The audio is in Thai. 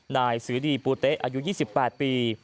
นายสือดีปูเต๊ะอายุ๒๘ปี